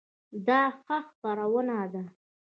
دا ښه خپرونه ده؟